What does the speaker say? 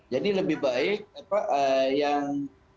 jadi lebih baik apa yang